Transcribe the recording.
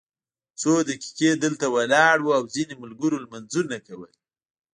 څو دقیقې دلته ولاړ وو او ځینو ملګرو لمونځونه کول.